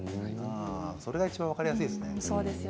それがいちばん分かりやすいですね。